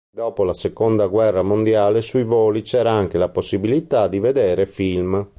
Dopo la seconda guerra mondiale sui voli c'era anche la possibilità di vedere film.